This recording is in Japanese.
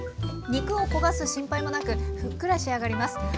肉を焦がす心配もなくふっくら仕上がります。